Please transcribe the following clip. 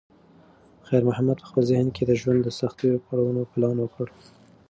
خیر محمد په خپل ذهن کې د ژوند د سختو پړاوونو پلان وکړ.